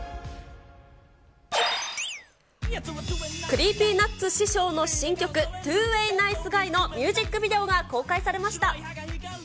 クリーピーナッツ師匠の新曲、２ウェイナイスガイのミュージックビデオが公開されました。